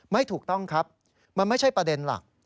ไม่ถูกต้องครับมันไม่ใช่ประเด็นหลัก